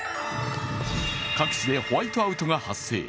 各地でホワイトアウトが発生。